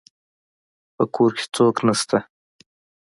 په کور کي څوک نسته